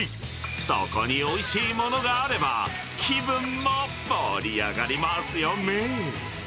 そこにおいしいものがあれば、気分も盛り上がりますよね。